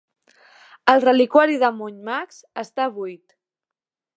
El reliquiari de Monymusk està buit.